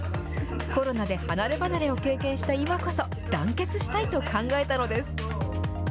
コロナで離ればなれを経験した今こそ、団結したいと考えたのです。